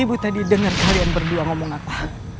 ibu tadi dengar kalian berdua ngomong apa